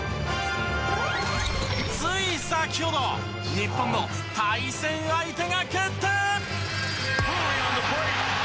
つい先ほど日本の対戦相手が決定。